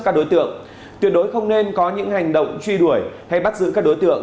các đối tượng tuyệt đối không nên có những hành động truy đuổi hay bắt giữ các đối tượng